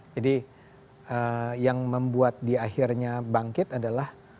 jadi yang membuat dia akhirnya bangkit adalah